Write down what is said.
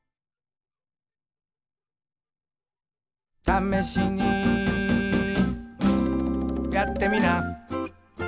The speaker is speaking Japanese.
「ためしにやってみな」